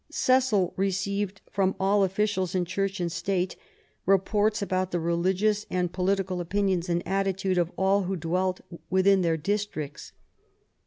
Cecil received from all officials, in Church and State, reports about the religious and political opinions and attitude of all who dwelt within their districts.